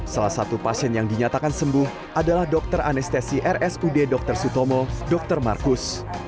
salah satu pasien yang dinyatakan sembuh adalah dokter anestesi rsud dr sutomo dr markus